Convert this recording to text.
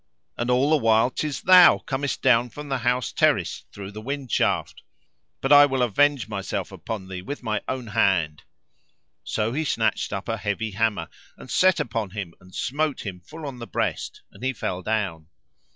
And all the while 'tis thou comest down from the house terrace through the wind shaft. But I will avenge myself upon thee with my own hand!" So he snatched up a heavy hammer and set upon him and smote him full on the breast and he fell down.